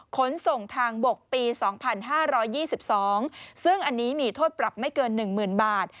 ขนส่งทางบกปี๒๕๒๒ซึ่งอันนี้มีโทษปรับไม่เกิน๑๐๐๐บาท